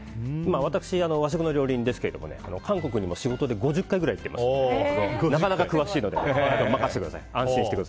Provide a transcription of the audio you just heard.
私、和食の料理人ですが韓国にも仕事で５０回くらい行っていますのでなかなか詳しいので今日は任せてください。